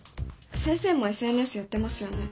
先生もＳＮＳやってますよね？